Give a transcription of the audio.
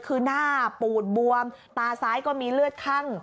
คือหน้าปูดบวมตาซ้ายก็มีเลือดคั่ง